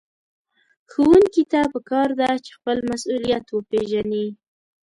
ښوونکي ته پکار ده چې خپل مسؤليت وپېژني.